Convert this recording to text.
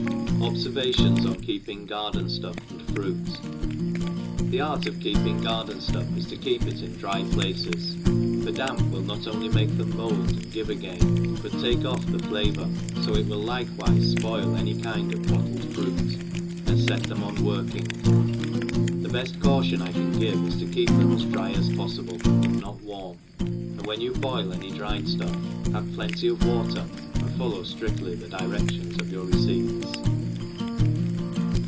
Oifervatiom off keeping GARDEN STUFy and Fruit, ' XH E art of keeping garden ftuff is to keep it iji dry places, for damp will not make them mould, and give again, but take ENGLISH HOUSE KEEPER. 359 take dFthe flavour, fo it will likewife fpoil^ny ' kind of bottled fruit, and fet them on working; the beft caution'. I can give, is to keep them as dry as poffible, but not warn>, and when you boil any dried fluff have plenty of water, and follow ilridly the diredions of your receipts.